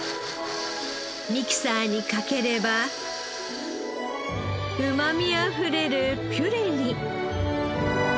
ミキサーにかければうまみあふれるピュレに。